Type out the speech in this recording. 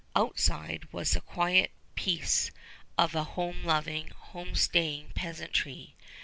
Outside was the quiet peace of a home loving, home staying peasantry.